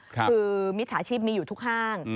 คือมิจฉาชีพมีอยู่ทุกห้าง